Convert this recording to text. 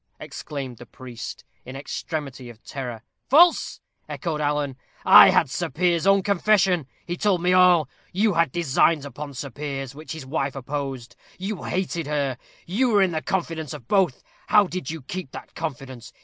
exclaimed the priest, in extremity of terror. "False!" echoed Alan. "I had Sir Piers's own confession. He told me all. You had designs upon Sir Piers, which his wife opposed; you hated her; you were in the confidence of both how did you keep that confidence?